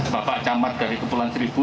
bapak camat dari kepulauan seribu